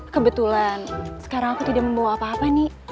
kebetulan sekarang aku tidak membawa apa apa nih